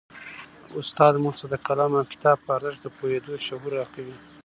استاد موږ ته د قلم او کتاب په ارزښت د پوهېدو شعور راکوي.